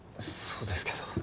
そうですけど。